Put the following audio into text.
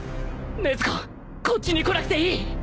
禰豆子こっちに来なくていい